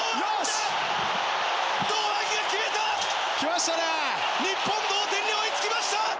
日本、同点に追い付きました。